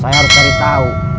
saya harus cari tau